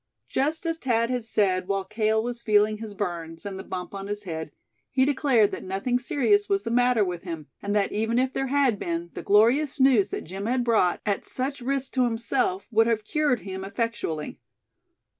Just as Thad had said while Cale was feeling his burns, and the bump on his head, he declared that nothing serious was the matter with him; and that even if there had been, the glorious news that Jim had brought, at such risk to himself, would have cured him effectually.